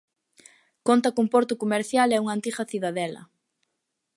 Conta cun porto comercial e unha antiga cidadela.